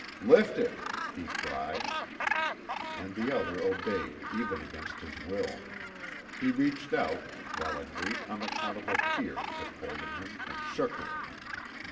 "Lift it," he cried. And the other obeyed even against his will. He reached out, while a great unaccountable fear took hold of him and shook him.